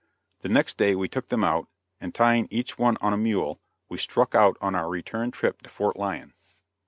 The next day we took them out, and, tying each one on a mule, we struck out on our return trip to Fort Lyon.